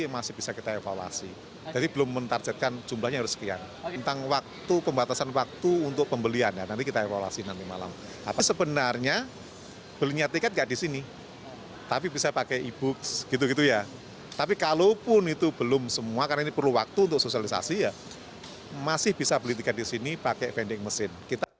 masih bisa beli tiket di sini pakai vending mesin